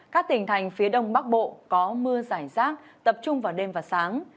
các tỉnh thành phía đông bắc bộ có mưa giải rác tập trung vào đêm và sáng